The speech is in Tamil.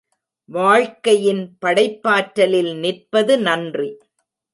வாழ்க்கையின் படைப்பாற்றலில் நிற்பது நன்றி.